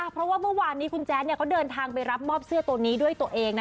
เพราะว่าเมื่อวานนี้คุณแจ๊ดเขาเดินทางไปรับมอบเสื้อตัวนี้ด้วยตัวเอง